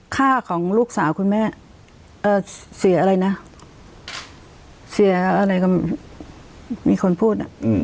ข้าของลูกสาวคุณแม่เอ่อเสียอะไรนะเสียอะไรก็มีคนพูดอ่ะอืม